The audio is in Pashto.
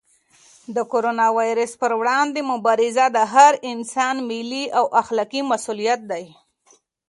د کرونا وېروس پر وړاندې مبارزه د هر انسان ملي او اخلاقي مسؤلیت دی.